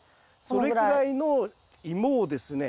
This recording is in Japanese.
それくらいのイモをですね